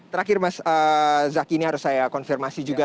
terakhir mas zaky ini harus saya konfirmasi juga